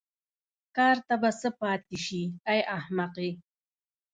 کار ته به څه پاتې شي ای احمقې.